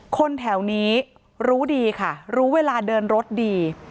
คนแถวนี้รู้ดีค่ะรู้เวลาเดินรถดี